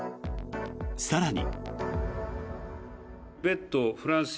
更に。